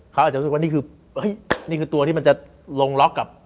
เขาอาจจะรู้สึกว่านี่คือตัวที่มันจะลงล็อกกับ